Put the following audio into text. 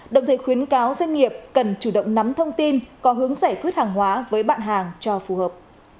đồng thời khuyến cáo doanh nghiệp cần chủ động nắm thông tin có hướng giải quyết hàng hóa với bạn hàng cho phù hợp